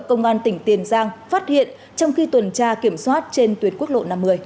công an tỉnh tiền giang phát hiện trong khi tuần tra kiểm soát trên tuyến quốc lộ năm mươi